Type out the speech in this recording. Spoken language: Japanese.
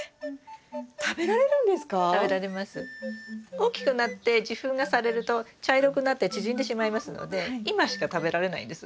大きくなって受粉がされると茶色くなって縮んでしまいますので今しか食べられないんです。